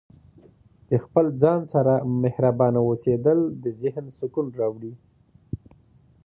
د خپل ځان سره مهربانه اوسیدل د ذهن سکون راوړي.